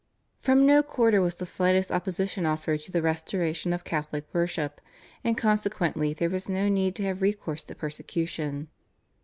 From no quarter was the slightest opposition offered to the restoration of Catholic worship, and consequently there was no need to have recourse to persecution.